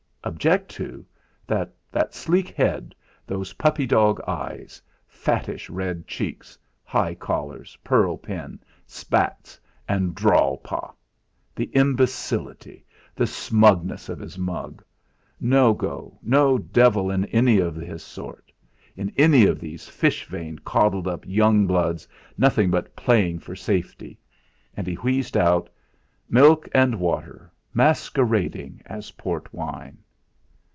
Object to! That sleek head, those puppy dog eyes, fattish red cheeks, high collars, pearl pin, spats, and drawl pah! the imbecility, the smugness of his mug; no go, no devil in any of his sort, in any of these fish veined, coddled up young bloods, nothing but playing for safety! And he wheezed out: "Milk and water masquerading as port wine."